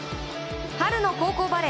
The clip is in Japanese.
春の高校バレー。